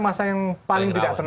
masa yang paling tidak